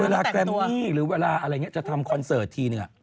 เวลาแกรมมีหรือเวลาจะทำคอนเซิรทที่หนึ่ง